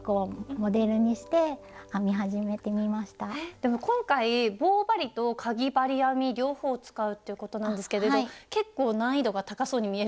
でも今回棒針とかぎ針編み両方を使うっていうことなんですけれど結構難易度が高そうに見えるんですけど。